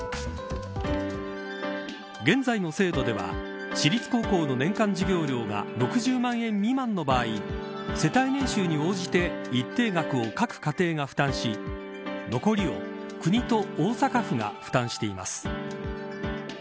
現在の制度では私立高校の年間授業料が６０万円未満の場合世帯年収に応じて一定額を各家庭が負担し残りを、国と大阪府が負担しています。